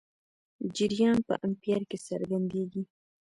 جریان په امپیر کې څرګندېږي.